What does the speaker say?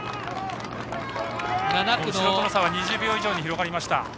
後ろとの差は２０秒以上に広がってきました。